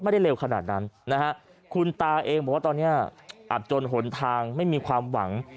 ไม่ได้เร็วขนาดนั้นนะครูตาเองบอกว่าตอนเนี่ยอับจนหลทางไม่มีความหวัง